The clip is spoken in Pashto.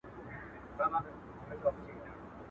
دښتونه خپل، کیږدۍ به خپلي او ټغر به خپل وي..